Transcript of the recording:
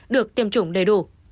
được tiêm chủng đầy đủ